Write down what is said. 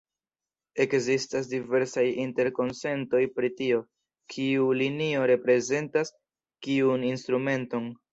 Ekzistas diversaj interkonsentoj pri tio, kiu linio reprezentas kiun instrumenton.